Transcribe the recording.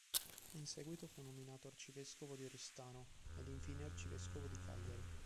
In seguito fu nominato arcivescovo di Oristano ed infine arcivescovo di Cagliari.